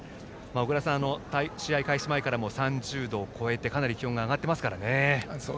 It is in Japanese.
小倉さん、試合開始前から３０度を超えてかなり気温が上がっていますから。